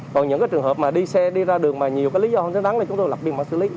còn những cái trường hợp mà đi xe đi ra đường mà nhiều cái lý do không xứng đáng là chúng tôi lập biên mà xử lý